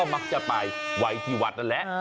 มักจะไปไว้ที่วัดนั่นแหละ